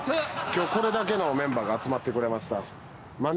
今日これだけのメンバーが集まってくれました。